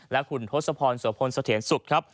และคุณทศพรสวพลเสถียรสุขครับ